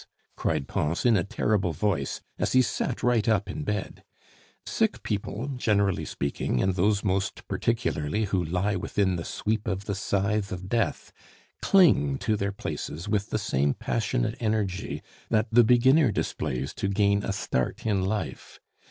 cried Pons in a terrible voice, as he sat right up in bed. Sick people, generally speaking, and those most particularly who lie within the sweep of the scythe of Death, cling to their places with the same passionate energy that the beginner displays to gain a start in life.